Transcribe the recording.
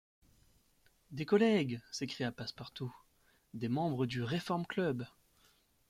Des collègues! s’écria Passepartout, des membres du Reform-Club !